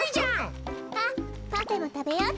あっパフェもたべよっと。